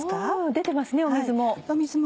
出てますね水も。